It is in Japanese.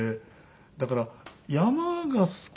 だから山が好き。